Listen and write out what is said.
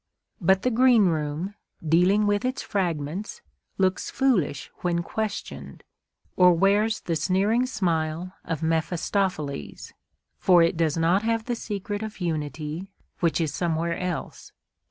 But the greenroom, dealing with its fragments, looks foolish when questioned, or wears the sneering smile of Mephistopheles; for it does not have the secret of unity, which is somewhere else.